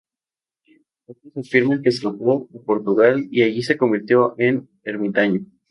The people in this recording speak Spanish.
Otros afirman que escapó a Portugal y allí se convirtió en ermitaño.